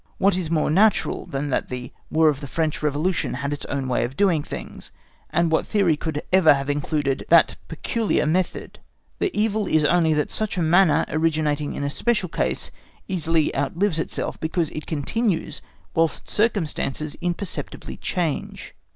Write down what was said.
What is more natural than that the War of the French Revolution had its own way of doing things? and what theory could ever have included that peculiar method? The evil is only that such a manner originating in a special case easily outlives itself, because it continues whilst circumstances imperceptibly change.